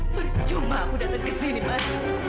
perjumah aku datang ke sini mas